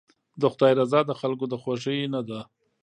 د خدای رضا د خلکو د خوښۍ نه ده.